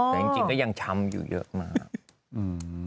แต่จริงก็ยังช้ำอยู่เยอะมาก